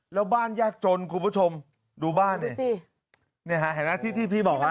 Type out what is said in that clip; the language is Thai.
แล้วบ้านแยกจนคุณผู้ชมดูบ้านดูสิเนี่ยฮะแหละที่ที่พี่บอกว่า